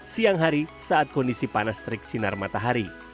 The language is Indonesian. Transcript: siang hari saat kondisi panas terik sinar matahari